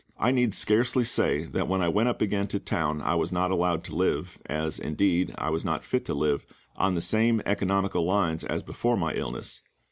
I need scarcely say that when I went up again to town I was not allowed to live as, indeed, I was not fit to live on the same economical lines as before my illness.